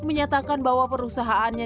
menyatakan bahwa perusahaannya